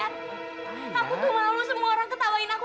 aku tuh malu semua orang ketawain aku